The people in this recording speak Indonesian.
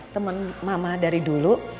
temen mama dari dulu